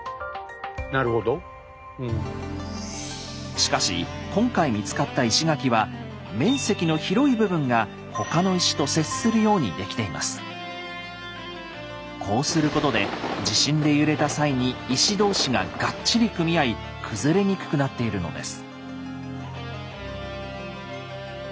しかし今回見つかった石垣はこうすることで地震で揺れた際に石同士ががっちり組み合い崩れにくくなっているのです。